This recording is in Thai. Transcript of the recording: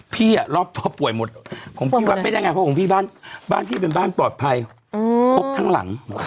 พี่อ่ะรอบตัวป่วยหมดไม่ได้งานเพราะของพี่บ้านที่เป็นบ้านปลอดภัยครบทั้งหลัง